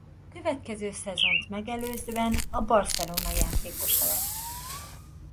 A következő szezont megelőzően a Barcelona játékosa lett.